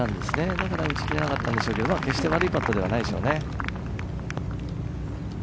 だから打ち切れなかったんでしょうけど悪いパットではないですね。